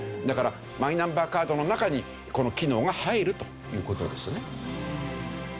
だからマイナンバーカードの中にこの機能が入るという事ですね。